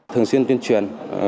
thường xuyên tuyên truyền